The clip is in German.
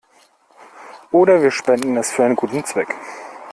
Oder wir spenden es für einen guten Zweck.